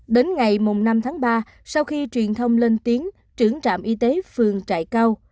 đến ngày năm tháng ba sau khi truyền thông lên tiếng trưởng trạm y tế phường trại cao